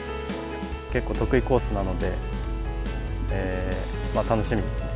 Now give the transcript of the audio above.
結構得意コースなので、楽しみですね。